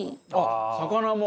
魚も？